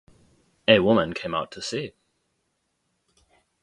A woman came out to see.